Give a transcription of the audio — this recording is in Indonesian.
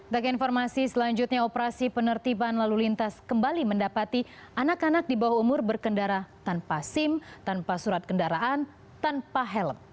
dari informasi selanjutnya operasi penertiban lalu lintas kembali mendapati anak anak di bawah umur berkendara tanpa sim tanpa surat kendaraan tanpa helm